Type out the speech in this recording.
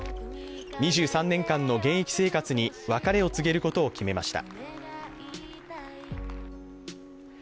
２３年間の現役生活に別れを告げることを決めました。